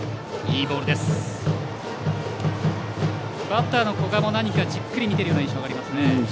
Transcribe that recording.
バッターの古賀も何か、じっくりと見ている印象がありますね。